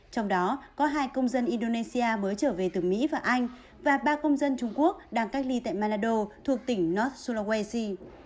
trong đó có hai công dân indonesia mới trở về từ mỹ và anh và ba công dân trung quốc đang cách ly tại malado thuộc tỉnh north sulawesi